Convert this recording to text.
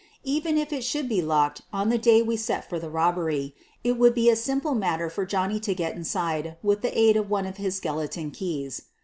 Even if it should be locked on the day we set for the robbery, it would be a simple matter for Johnny to get inside with the aid of one of his skeleton keys.